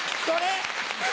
それ！